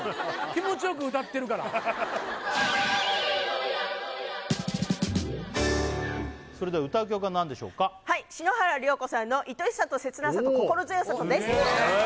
気持ちよく歌ってるからそれでは歌う曲は何でしょうか篠原涼子さんの「恋しさとせつなさと心強さと」です